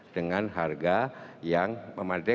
dengan harga yang memadai